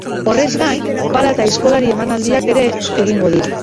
Horrez gain, pala eta aizkolari emanaldiak ere egingo dira.